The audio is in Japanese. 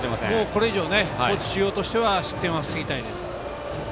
これ以上高知中央としては失点は防ぎたいです。